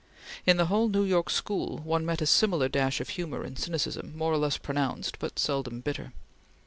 In the whole New York school, one met a similar dash of humor and cynicism more or less pronounced but seldom bitter.